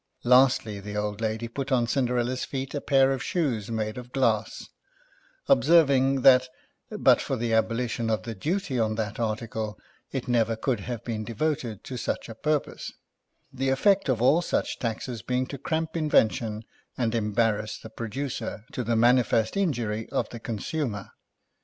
Lastl}^, the old lady put on Cinde rella's feet a pair of shoes made of glass : ob serving that but for the abolition of the duty on that article, it never could have been devoted to such a purpose ; the effect of all such taxes being to cramp invention, and em barrass the producer, to the manifest injury of thi consumer.